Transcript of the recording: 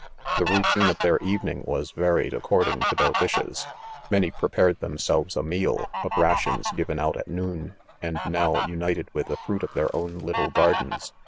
The routine of their evening was varied according to their wishes. Many prepared £l£ .IDQMEN* themselves a, meal, of rations given out at noon, and now united with, the fruit of their own little gardens.